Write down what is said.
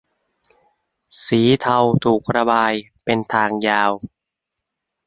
สีเทาถูกระบายเป็นทางยาว